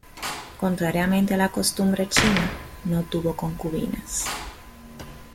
Contrariamente a la costumbre china, no tuvo concubinas.